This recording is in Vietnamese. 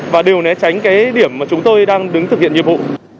và đều né tránh cái điểm mà chúng tôi đang đứng thực hiện nhiệm vụ